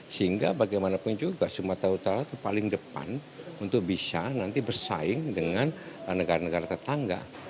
sehingga bagaimanapun juga sumatera utara itu paling depan untuk bisa nanti bersaing dengan negara negara tetangga